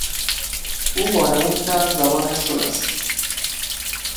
او وانمود کرد زبانش شل است.